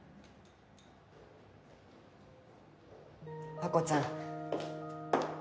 和子ちゃん。